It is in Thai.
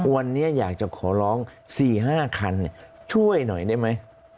วันนี้อยากจะขอร้อง๔๕คันช่วยหน่อยได้ไหม